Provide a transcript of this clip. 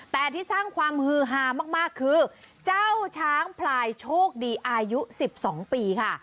แต่ที่สร้างความฮือฮามากคือเจ้าช้างพลายโชคดีอายุ๑๒ปีค่ะ